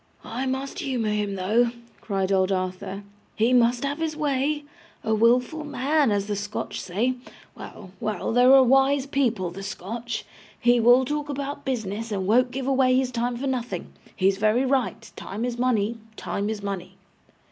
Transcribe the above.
'I must humour him though,' cried old Arthur; 'he must have his way a wilful man, as the Scotch say well, well, they're a wise people, the Scotch. He will talk about business, and won't give away his time for nothing. He's very right. Time is money, time is money.